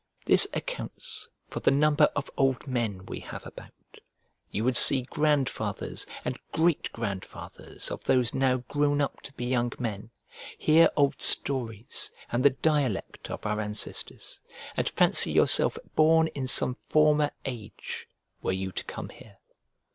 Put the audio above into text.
This accounts for the number of old men we have about, you would see grandfathers and great grandfathers of those now grown up to be young men, hear old stories and the dialect of our ancestors, and fancy yourself born in some former age were you to come here.